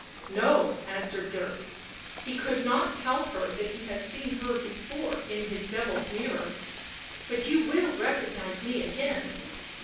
" No," answered Dirk; he could not tell her that he had seen her before in his devil's mirror. " But you will recognise me again